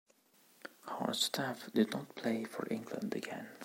Hardstaff did not play for England again.